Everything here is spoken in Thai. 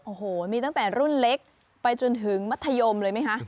โอ้โหมีตั้งแต่รุ่นเล็กไปจนถึงมัธยมเลยไหมคะ